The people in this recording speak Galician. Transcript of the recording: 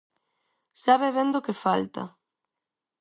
Sabe ben do que falta.